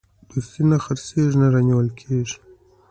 دوستي نه پلورل کېږي او نه اخیستل کېږي.